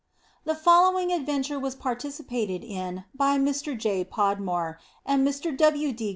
The following adventure was participated in by Mr. J. Podmore and Mr. W. D.